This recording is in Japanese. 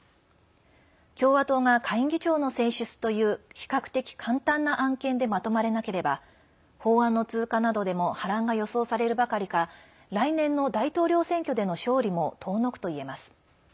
共和党が下院議長の選出という比較的簡単な案件でまとまれなければ法案の通過などでも波乱が予想されるばかりか来年の大統領選挙での勝利も遠のくといえます。